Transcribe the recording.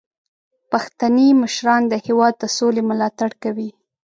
پښتني مشران د هیواد د سولې ملاتړ کوي.